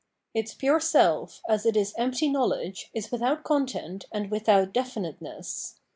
Its pure self, as it is empty knowledge, is without content and without definiteness.